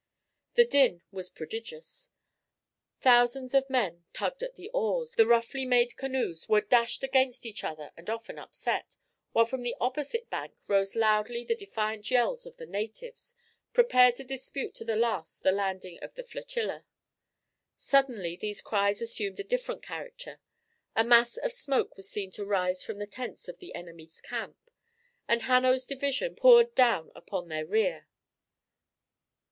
The din was prodigious. Thousands of men tugged at the oars, the roughly made canoes were dashed against each other and often upset, while from the opposite bank rose loudly the defiant yells of the natives, prepared to dispute to the last the landing of the flotilla. Suddenly these cries assumed a different character. A mass of smoke was seen to rise from the tents of the enemy's camp, and Hanno's division poured down upon their rear.